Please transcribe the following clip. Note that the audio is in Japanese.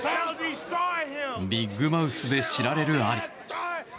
ビッグマウスで知られるアリ。